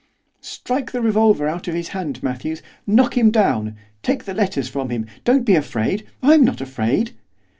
'Strike the revolver out of his hand, Matthews! knock him down! take the letters from him! don't be afraid! I'm not afraid!